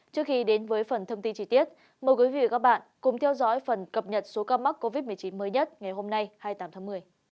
trước khi đến với phần thông tin chi tiết mời quý vị và các bạn cùng theo dõi phần cập nhật số ca mắc covid một mươi chín mới nhất ngày hôm nay hai mươi tám tháng một mươi